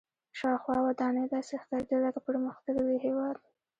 شاوخوا ودانۍ داسې ښکارېدې لکه پرمختللي هېواد.